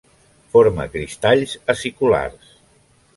Forma cristalls aciculars.